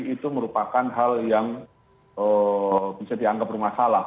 itu merupakan hal yang bisa dianggap rumah salah